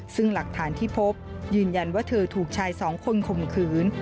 ซึ่งหลักฐานที่พบยืนยันว่าเธอถูกชายสองคนข่มขืน